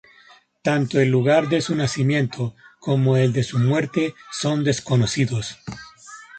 Tanto el lugar de su nacimiento como el de su muerte son desconocidos.